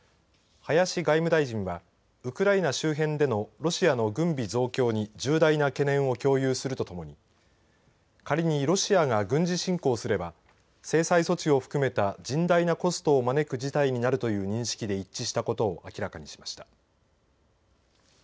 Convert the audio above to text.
林外務大臣はウクライナ周辺でのロシアの軍備増強に重大な懸念を共有するとともに仮にロシアが軍事侵攻すれば制裁措置を含めた甚大なコストを招く事態になるという認識で一致したことを明らかにしました。